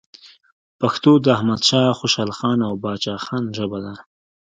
پښتو د احمد شاه خوشحالخان او پاچا خان ژبه ده.